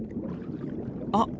あっ！